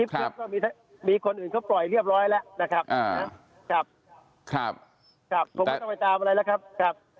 คลิปก็มีคนอื่นเขาปล่อยเรียบร้อยแล้วนะครับครับผมไม่ต้องไปตามอะไรแล้วครับ